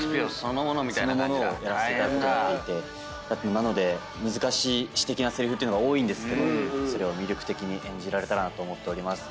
なので難しい詩的なせりふっていうのが多いんですけどそれを魅力的に演じられたらなと思っております。